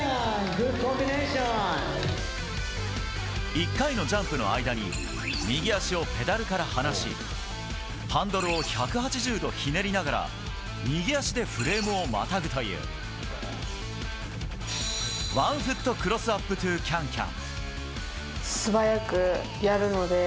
１回のジャンプの間に右足をペダルから離しハンドルを１８０度ひねりながら右足でフレームをまたぐというワンフット・クロスアップ・トゥ・キャンキャン。